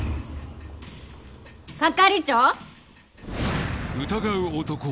係長！？